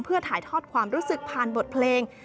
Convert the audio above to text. เพื่อถ่ายทอดความรู้สึกผ่านบทเพลง